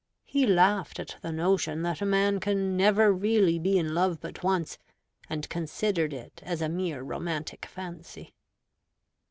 He laughed at the notion that a man can never really be in love but once, and considered it as a mere romantic fancy.